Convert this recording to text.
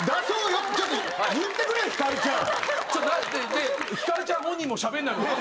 でヒカルちゃん本人もしゃべんない。